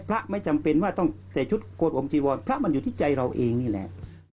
พระไม่จำเป็นพระของมันมันยืดที่ใจเราเองนี้แหละ